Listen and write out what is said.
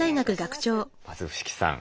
まず伏木さん